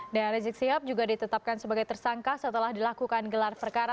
dan rizik sihab juga ditetapkan sebagai tersangka setelah dilakukan gelar perkara